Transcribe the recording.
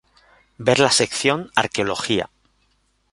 Ver la sección Arqueología.